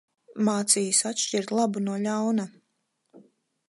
Mācījis atšķirt labu no ļauna.